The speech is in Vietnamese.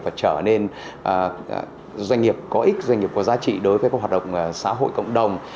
và trở nên doanh nghiệp có ích doanh nghiệp có giá trị đối với các hoạt động xã hội cộng đồng